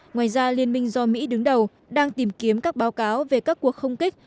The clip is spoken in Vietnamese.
ngoài ra liên minh do mỹ đứng đầu đang tìm kiếm các báo cáo về các cuộc không kích